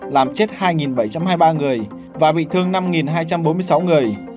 làm chết hai bảy trăm hai mươi ba người và bị thương năm hai trăm bốn mươi sáu người